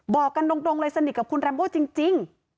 บอกกันตรงเลยสนิทกับคุณแรมโบจริง